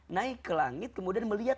naik ke langit kemudian melihat